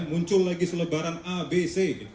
muncul lagi selebaran a b c